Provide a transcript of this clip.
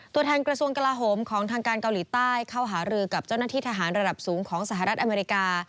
ตัวแทนกระทรวงกลาโหมของทางการเกาหลีใต้เข้าหารือกับเจ้าหน้าที่ทหารระดับสูงของสหรัฐอเมริกา